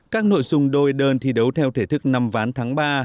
các nội dung đôi đơn thi đấu theo thể thức năm ván tháng ba